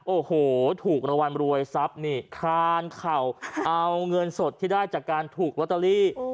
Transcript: โอ้โหถูกรางวัลรวยทรัพย์นี่คลานเข่าเอาเงินสดที่ได้จากการถูกลอตเตอรี่